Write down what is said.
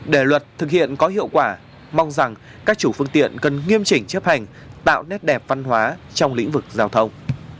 để luật thực hiện có hiệu quả mong rằng các chủ phương tiện cần nghiêm chỉnh chấp hành tạo nét đẹp văn hóa trong lĩnh vực giao thông